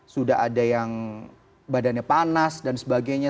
sudah ada yang badannya panas dan sebagainya